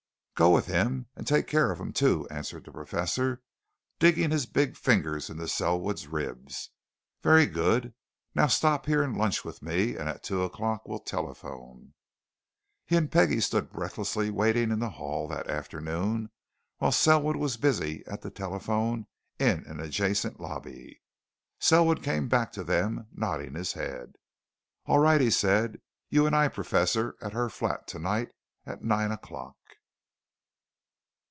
"Go with him and take care of him, too," answered the Professor, digging his big fingers into Selwood's ribs. "Very good. Now stop here and lunch with me, and at two o'clock we'll telephone." He and Peggie stood breathlessly waiting in the hall that afternoon while Selwood was busy at the telephone in an adjacent lobby. Selwood came back to them nodding his head. "All right!" he said. "You and I, Professor, at her flat tonight, at nine o'clock."